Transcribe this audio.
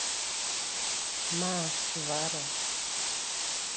Ma (svara)